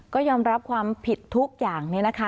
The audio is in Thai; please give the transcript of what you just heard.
ก็ยอมรับความผิดทุกอย่างนี้นะคะ